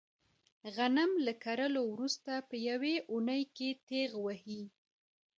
غنم له کرلو ورسته په یوه اونۍ کې تېغ وهي.